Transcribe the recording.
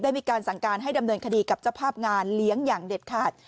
มีการสั่งการให้ดำเนินคดีกับเจ้าภาพงานเลี้ยงอย่างเด็ดขาด